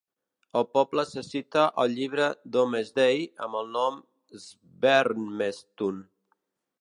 El poble se cita al llibre Domesday amb el nom "Sbermestun".